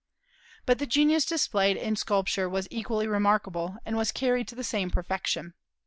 But the genius displayed in sculpture was equally remarkable, and was carried to the same perfection.